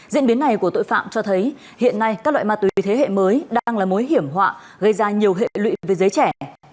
diễn biến này của tội phạm cho thấy hiện nay các loại ma túy thế hệ mới đang là mối hiểm họa gây ra nhiều hệ lụy với giới trẻ